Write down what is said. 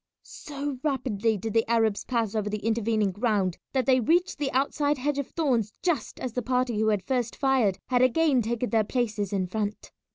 So rapidly did the Arabs pass over the intervening ground that they reached the outside hedge of thorns just as the party who had first fired had again taken their places in front.